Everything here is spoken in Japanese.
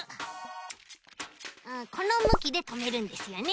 このむきでとめるんですよね。